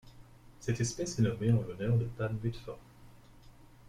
Cette espèce est nommée en l'honneur de Pam Mudford.